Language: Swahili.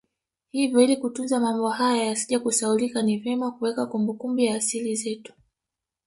Hivyo ili kutunza mambo haya yasije kusahaulika ni vyema kuweka kumbukumbu ya asili zetu